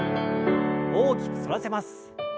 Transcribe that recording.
大きく反らせます。